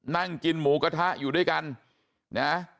นั่งกินหมูกระทะอยู่ด้วยกันนะ